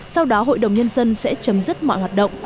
sau đó hội đồng nhân dân sẽ chấm dứt mọi hoạt động